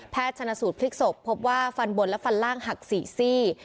ชนะสูตรพลิกศพพบว่าฟันบนและฟันล่างหัก๔ซี่